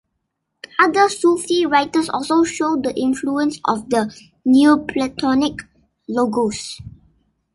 Other Sufi writers also show the influence of the Neoplatonic Logos.